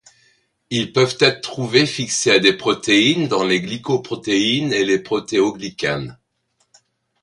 Ils peuvent être trouvés fixés à des protéines dans les glycoprotéines et les protéoglycanes.